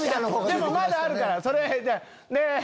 でもまだあるから。